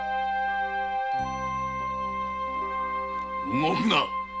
・動くな！